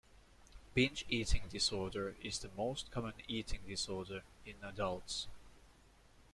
Binge eating disorder is the most common eating disorder in adults.